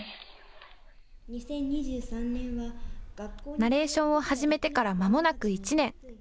ナレーションを始めてからまもなく１年。